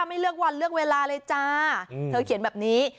ไม่เลือกวันเลือกเวลาเลยจ้าเธอเขียนแบบนี้